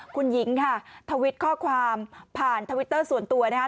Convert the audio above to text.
คุณหญิงค่ะทวิตข้อความผ่านทวิตเตอร์ส่วนตัวนะคะ